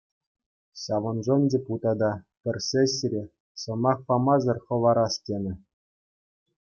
Ҫавӑншӑн депутата пӗр сессире сӑмах памасӑр хӑварас тенӗ.